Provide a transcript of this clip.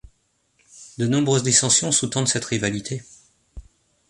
De nombreuses dissensions sous-tendent cette rivalité.